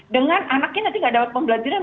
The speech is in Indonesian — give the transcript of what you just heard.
dengan anaknya nanti tidak dapat pembelajaran